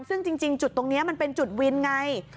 ซึ่งจริงจุดตรงนี้มันเป็นจุดวินไง